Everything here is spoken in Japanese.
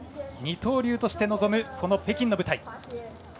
二刀流として臨む北京の舞台。